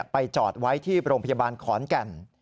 ไปจอดไว้ที่โรงพยาบาลขอนแก่น